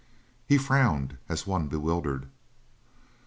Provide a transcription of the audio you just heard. He frowned, as one bewildered.